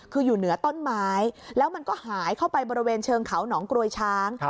คืออยู่เหนือต้นไม้แล้วมันก็หายเข้าไปบริเวณเชิงเขาหนองกรวยช้าง